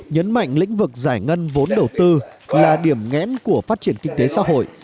nhấn mạnh lĩnh vực giải ngân vốn đầu tư là điểm nghẽn của phát triển kinh tế xã hội